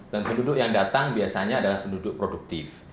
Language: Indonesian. dan penduduk yang datang biasanya adalah penduduk produktif